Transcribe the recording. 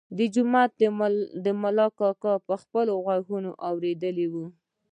د جومات ملا کاکا په خپلو غوږونو اورېدلی و.